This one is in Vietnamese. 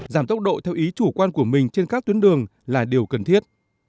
giảm tốc độ theo ý chủ quan của mình trên các tuyến đường là điều cần thiết